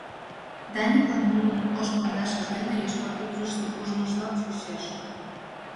Даниклан нунын ош пондашышт ден йошкар упшыштым ужмыжлак чучеш.